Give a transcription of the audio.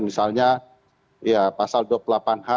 misalnya ya pasal dua puluh delapan h